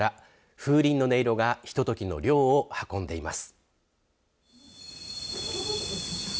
風鈴の音色がひとときの涼を運んでいます。